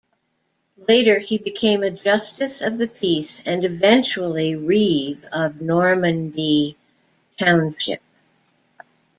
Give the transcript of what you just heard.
Later he became a Justice of the Peace and eventually, Reeve of Normanby Township.